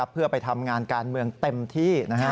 เพื่อไปทำงานการเมืองเต็มที่